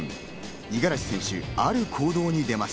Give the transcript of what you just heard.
五十嵐選手、ある行動に出ます。